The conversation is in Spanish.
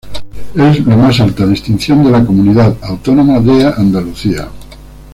Es la más alta distinción de la Comunidad Autónoma de Andalucía.